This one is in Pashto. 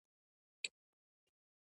بهر که څه هم یخ وو خو دلته هوا بده نه وه.